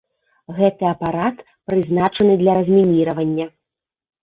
Гэты апарат прызначаны для размініравання.